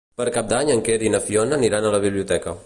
Per Cap d'Any en Quer i na Fiona aniran a la biblioteca.